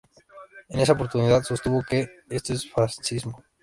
En esa oportunidad sostuvo que "...esto es fascismo.